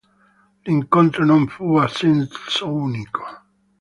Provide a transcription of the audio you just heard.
L'incontro non fu a senso unico.